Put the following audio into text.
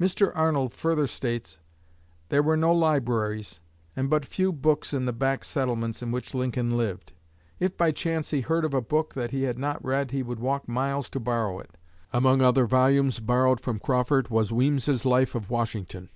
Mr. Arnold further states: "There were no libraries and but few books in the back settlements in which Lincoln lived. If by chance he heard of a book that he had not read he would walk miles to borrow it. Among other volumes borrowed from Crawford was Weems's Life of Washington.